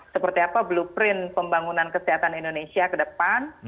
seperti apa blueprint pembangunan kesehatan indonesia ke depan